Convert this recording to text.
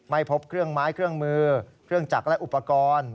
ไม่พบเครื่องไม้เครื่องมือเครื่องจักรและอุปกรณ์